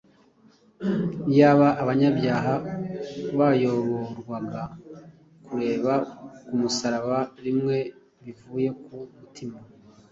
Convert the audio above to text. Iyaba abanyabyaha bayoborwaga ku kureba ku musaraba rimwe bivuye ku mutima,